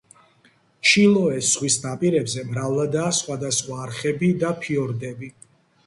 ჩილოეს ზღვის ნაპირებზე მრავლადაა სხვადასხვა არხები და ფიორდები.